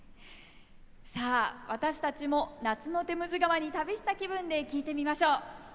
さあ私たちも夏のテムズ川に旅した気分で聴いてみましょう。